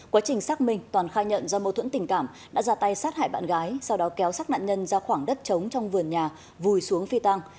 quá trình xác minh toàn khai nhận do mâu thuẫn tình cảm đã ra tay sát hại bạn gái sau đó kéo sát nạn nhân ra khoảng đất trống trong vườn nhà vùi xuống phi tăng